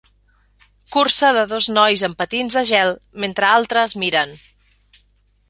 Cursa de dos nois en patins de gel mentre altres miren.